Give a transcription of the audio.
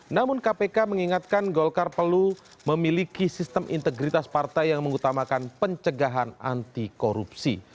namun kpk mengingatkan golkar perlu memiliki sistem integritas partai yang mengutamakan pencegahan anti korupsi